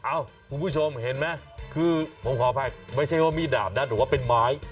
คุณผู้ชมเห็นไหมคือผมขออภัยไม่ใช่ว่ามีดดาบนะหรือว่าเป็นไม้